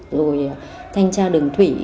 rồi thanh tra đường thủy